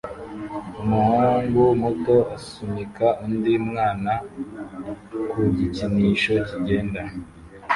Umuhungu muto asunika undi mwana ku gikinisho kigenda